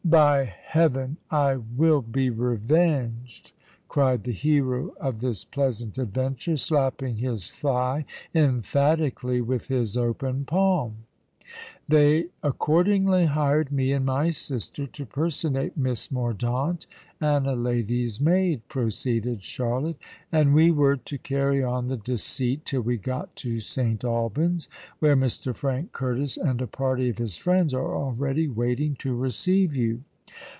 "By heaven! I will be revenged!" cried the hero of this pleasant adventure, slapping his thigh emphatically with his open palm. "They accordingly hired me and my sister to personate Miss Mordaunt and a lady's maid," proceeded Charlotte; "and we were to carry on the deceit till we got to St. Alban's, where Mr. Frank Curtis and a party of his friends are already waiting to receive you."